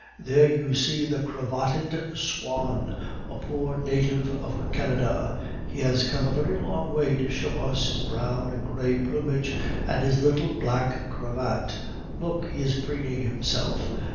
"There you see the cravatted swan, a poor native of Canada; he has come a very long way to show us his brown and gray plumage and his little black cravat! Look, he is preening himself.